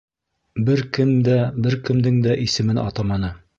Бер кем дә бер кемдең дә исемен атаманы.